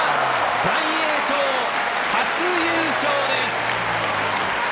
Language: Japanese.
大栄翔、初優勝です。